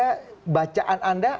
menurut anda predisi anda bacaan anda